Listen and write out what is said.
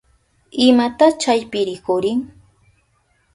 ¿Imata chaypi rikurin?